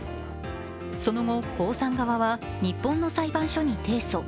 その後、江さん側は日本の裁判所に提訴。